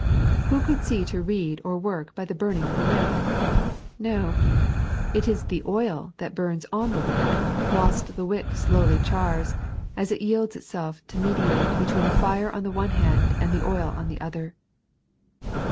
Who could see to read or work by the buming of a wick} Ko; it ia the oU that bams on the wick, whiht the wick slowly chars, as it yields itself to mediate between the fire on the one hand and the oil on the other.